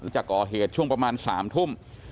จะก่อเหตุช่วงประมาณ๓ทุ่ม